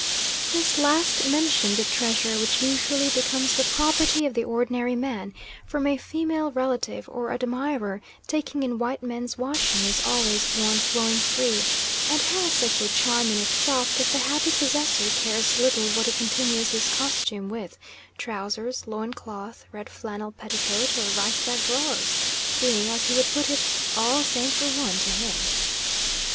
This last mentioned treasure, which usually becomes the property of the ordinary man from a female relative or admirer taking in white men's washing, is always worn flowing free, and has such a charm in itself that the happy possessor cares little what he continues his costume with trousers, loin cloth, red flannel petticoat, or rice bag drawers, being, as he would put it, "all same for one" to him.